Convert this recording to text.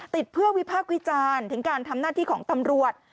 เพื่อวิพากษ์วิจารณ์ถึงการทำหน้าที่ของตำรวจ